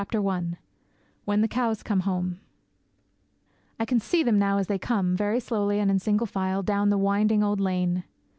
PART III I WHEN THE COWS COME HOME I can see them now as they come, very slowly and in single file, down the winding old lane.